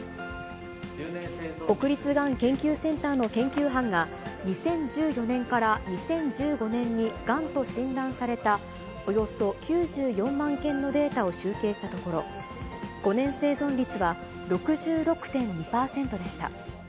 国立がん研究センターの研究班が、２０１４年から２０１５年にがんと診断されたおよそ９４万件のデータを集計したところ、５年生存率は６６．２％でした。